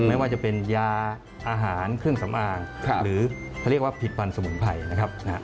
ไม่ว่าจะเป็นยาอาหารเครื่องสำอางหรือเขาเรียกว่าผิดฟันสมุนไพรนะครับ